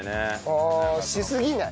ああしすぎない？